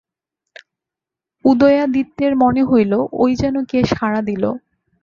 উদয়াদিত্যের মনে হইল, ঐ যেন কে সাড়া দিল।